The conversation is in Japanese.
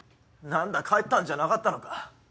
何だ帰ったんじゃなかったのか。